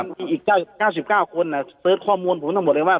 มีอีก๙๙คนเสิร์ชข้อมูลผมทั้งหมดเลยว่า